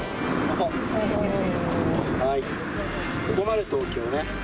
ここまで東京ね。